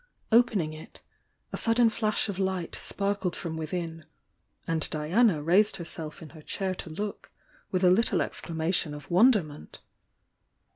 Opening it, a sudden flash of light sparkled from within — and Diana raised herself in her chair to look, with a little exclamation of wonderment.